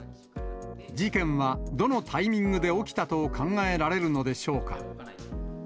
事件はどのタイミングで起きたと考えられるのでしょうか。